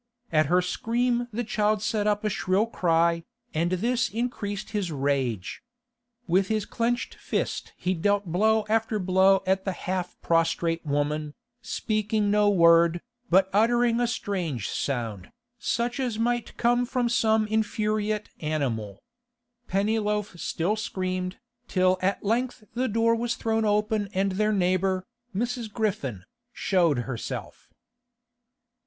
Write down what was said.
At her scream the child set up a shrill cry, and this increased his rage. With his clenched fist he dealt blow after blow at the half prostrate woman, speaking no word, but uttering a strange sound, such as might come from some infuriate animal. Pennyloaf still screamed, till at length the door was thrown open and their neighbour, Mrs. Griffin, showed herself.